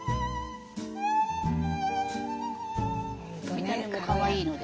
見た目もかわいいので。